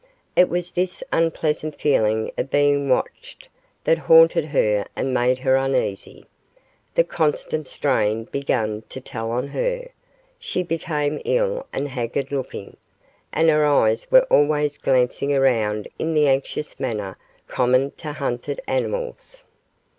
It was this unpleasant feeling of being watched that haunted her and made her uneasy. The constant strain began to tell on her; she became ill and haggard looking, and her eyes were always glancing around in the anxious manner common to hunted animals.